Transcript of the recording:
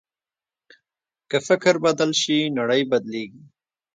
که فکر بدل شي، نړۍ بدلېږي.